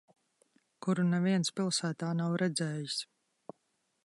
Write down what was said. Kuru neviens pilsētā nav redzējis.